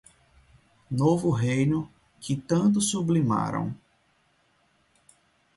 Novo reino, que tanto sublimaram.